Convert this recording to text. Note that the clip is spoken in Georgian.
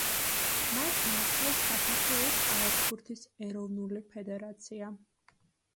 მას მართავს საქართველოს კალათბურთის ეროვნული ფედერაცია.